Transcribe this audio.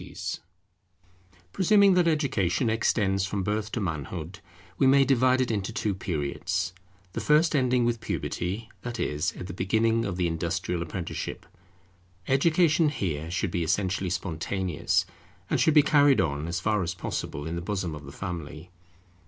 The first, consisting of physical and esthetic training to be given at home] Presuming that Education extends from birth to manhood, we may divide it into two periods, the first ending with puberty, that is, at the beginning of industrial apprenticeship. Education here should be essentially spontaneous, and should be carried on as far as possible in the bosom of the family.